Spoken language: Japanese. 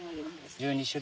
１２種類。